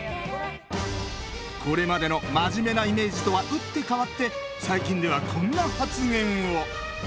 これまでの真面目なイメージとは打って変わって最近ではこんな発言を。